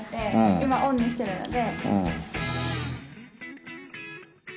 今オンにしてるので。